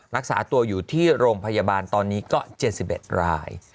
รักษาตัวอยู่ที่โรงพยาบาลตอนนี้ก็๗๑ราย